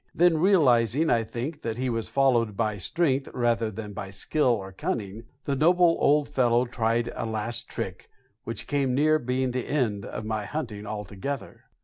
Then realizing, I think, that he was followed by strength rather than by skill or cunning, the noble old fellow tried a last trick, which came near being the end of my hunting altogether.